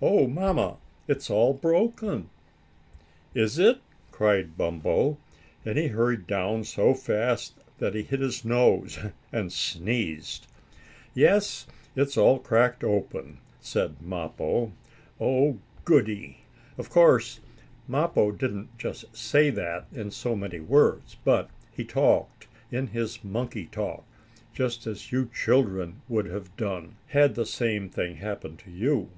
Oh, Mamma, it's all broken." "Is it?" cried Bumpo, and he hurried down so fast that he hit his nose, and sneezed. "Yes, it's all cracked open," said Mappo. "Oh, goodie!" Of course Mappo didn't just say that in so many words, but he talked, in his monkey talk, just as you children would have done, had the same thing happened to you.